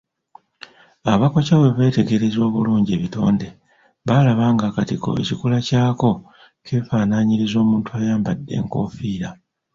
Abaakoca bwe beetegereza obulungi ebitonde, baalaba ng’akatiko ekikula kyako kyefaanaaniriza omuntu ayambadde enkoofiira.